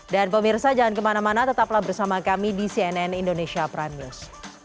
dan pemirsa jangan kemana mana tetaplah bersama kami di cnn indonesia prime news